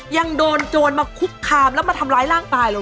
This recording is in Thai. ยังโดนโจรมาคุกคามแล้วมาทำร้ายร่างกายเรา